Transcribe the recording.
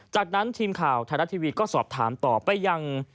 จากนั้นทีมข่าวไทยรัฐทีวีก็สอบถามต่อไปยัง